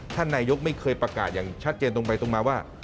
ท่านนายกไม่เคยประกาศอย่างชัดเจนตรงไปตรงมาว่า